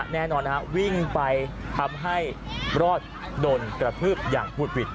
แน่นอนวิ่งไปทำให้รอดโดนกระทืบอย่างหุดหวิด